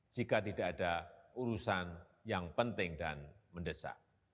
jika tidak ada urusan yang penting dan mendesak